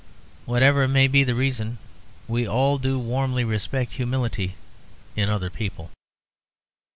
Whatever may be the reason, we all do warmly respect humility in other people.